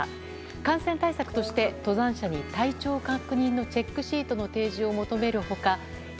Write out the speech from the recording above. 感染対策として登山者に体調確認のチェックシートの提示を求める他山